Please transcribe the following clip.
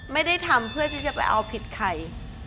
ไม่ได้ทำเพื่อที่จะไปเอาผิดใคร